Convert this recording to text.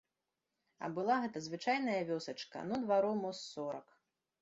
А была гэта звычайная вёсачка, ну двароў мо з сорак.